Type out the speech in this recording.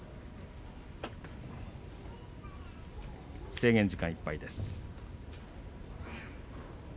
制限時間がいっぱいです。